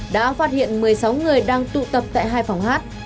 đã phát hiện một mươi sáu người đang tụ tập tại hai phòng hát